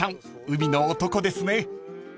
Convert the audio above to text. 海の男ですね］